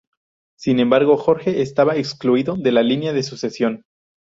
Sin embargo, Jorge estaba excluido de la línea de sucesión.